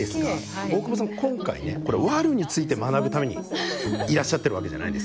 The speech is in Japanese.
今回ねワルについて学ぶためにいらっしゃってるわけじゃないですか。